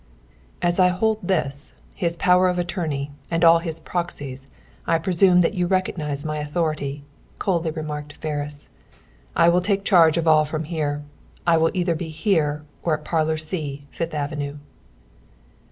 "As I hold this, his power of attorney, and all his proxies, I presume that you recognize my authority," coldly remarked Ferris. "I will take charge of all here. I will be either here or at Parlor C, Fifth Avenue."